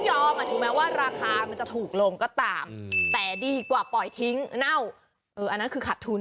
ใช่ไหมรู้สึกเหมือนกันว่าปีนี้ง้อน้อย